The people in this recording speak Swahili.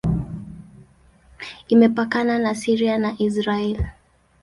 Imepakana na Syria na Israel.